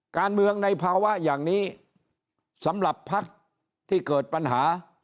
การเมืองในภาวะอย่างนี้สำหรับภักดิ์ที่เกิดปัญหา